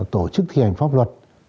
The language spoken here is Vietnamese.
tổ chức thi hành pháp luật